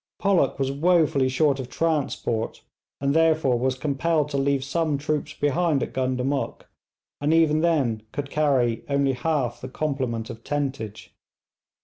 Pollock was woefully short of transport, and therefore was compelled to leave some troops behind at Gundamuk, and even then could carry only half the complement of tentage.